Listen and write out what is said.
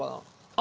あ。